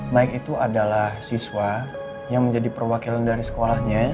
mike itu adalah siswa yang menjadi perwakilan dari sekolahnya